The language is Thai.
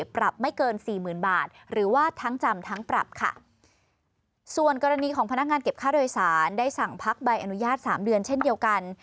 ปรับไม่เกินสี่หมื่นบาทหรือว่าทั้งจำทั้งปรับค่ะส่วนกรณีของพนักงานเก็บค่าโดยสารได้สั่งพักใบอนุญาตสามเดือนเช่นเดียวกัน